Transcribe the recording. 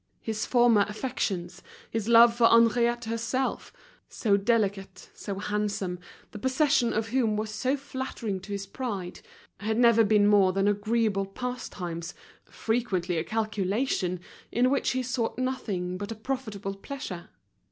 His former affections, his love for Henriette herself—so delicate, so handsome, the possession of whom was so flattering to his pride—had never been more than agreeable pastimes, frequently a calculation, in which he sought nothing but a profitable pleasure.